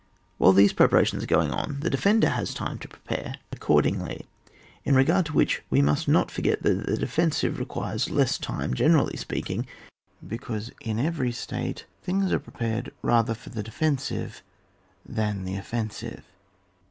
While these preparations are going on, the defender has time to prepare ac CHAP, xxvra.] DEFENCE OF A THEATRE OF WAR. 183 cordingly, in regard to which we must not forget that the defensive requires less time, generally speaking, because in every state things are prepared rather for the defensive than the offensive.